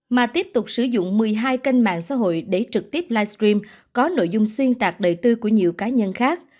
mà tiếp tục sử dụng một mươi hai kênh mạng xã hội để trực tiếp livestream có nội dung xuyên tạc đời tư của nhiều cá nhân khác